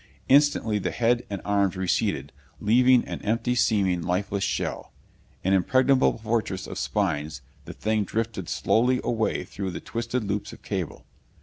Instantly the head and arms receded, leaving an empty seeming, lifeless shell. An impregnable fortress of spines, the thing drifted slowly away through the twisted loops of cable.